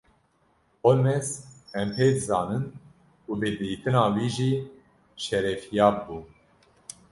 Holmes: Em pê dizanin û bi dîtina wî jî şerefyab bûn.